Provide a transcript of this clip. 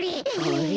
あれ？